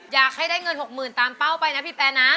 อยากให้ได้เงิน๖๐๐๐ตามเป้าไปนะพี่แปรนะ